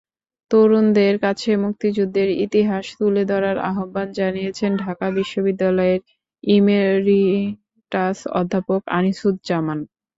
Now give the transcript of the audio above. তরুণদের কাছে মুক্তিযুদ্ধের ইতিহাস তুলে ধরার আহ্বান জানিয়েছেন ঢাকা বিশ্ববিদ্যালয়ের ইমেরিটাস অধ্যাপক আনিসুজ্জামান।